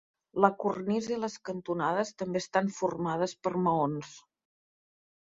La cornisa i les cantonades també estan formades per maons.